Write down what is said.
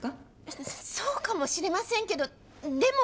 そうかもしれませんけどでも。